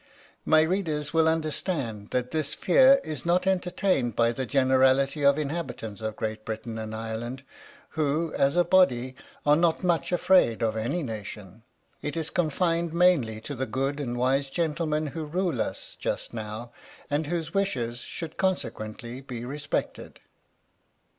My readers will understand that this fear is not entertained by the generality of inhabitants of Great Britain and Ireland who, as a body, are not much afraid of any nation; it is confined mainly to the good and wise gentlemen who rule us, just now, and whose wishes should consequently be respected.